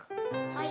はい。